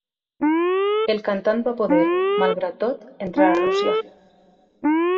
El cantant va poder, malgrat tot, entrar a Rússia.